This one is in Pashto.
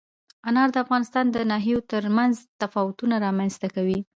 انار د افغانستان د ناحیو ترمنځ تفاوتونه رامنځ ته کوي.